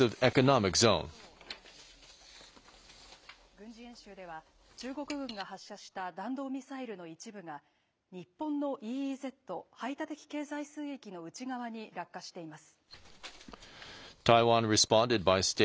軍事演習では、中国軍が発射した弾道ミサイルの一部が、日本のＥＥＺ・排他的経済水域の内側に落下しています。